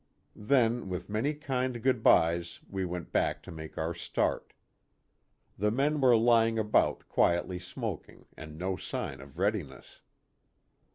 Then, with many kind good bys we went back to make our start. The men were lying about quietly smoking and no sign of readiness.